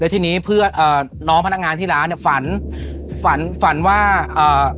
ทีนี้เพื่อนเอ่อน้องพนักงานที่ร้านเนี้ยฝันฝันฝันว่าเอ่อ